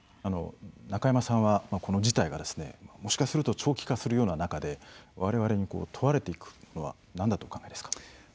中山さんはこの事態がもしかすると長期化するような中で我々に問われていくのはなんだとお考えですか？